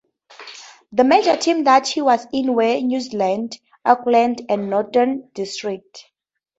The major teams that he was in were New Zealand, Auckland and Northern Districts.